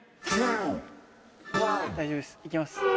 大丈夫ですいけます。